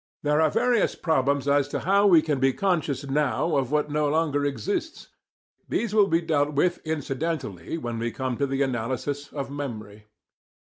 There are various problems as to how we can be conscious now of what no longer exists. These will be dealt with incidentally when we come to the analysis of memory.